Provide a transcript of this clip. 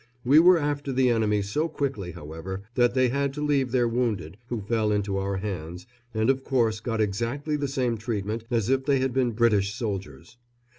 We were after the enemy so quickly, however, that they had to leave their wounded, who fell into our hands, and of course got exactly the same treatment as if they had been British soldiers.